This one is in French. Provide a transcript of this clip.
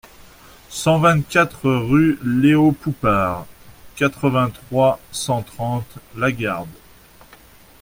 cent vingt-quatre rue Léo Poupart, quatre-vingt-trois, cent trente, La Garde